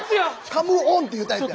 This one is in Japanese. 「カム・オン」っていうタイプや。